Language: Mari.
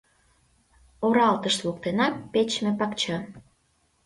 Оралтышт воктенак печыме пакча.